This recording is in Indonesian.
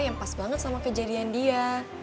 yang pas banget sama kejadian dia